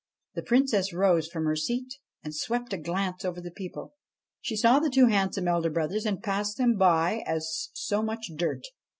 The Princess rose from her seat and swept a glance over the people. She saw the two handsome elder brothers and passed them by as so much dirt.